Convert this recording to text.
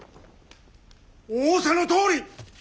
仰せのとおり！